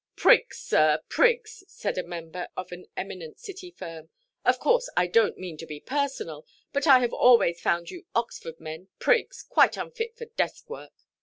"Prigs, sir, prigs," said a member of an eminent City firm; "of course, I donʼt mean to be personal; but I have always found you Oxford men prigs, quite unfit for desk–work.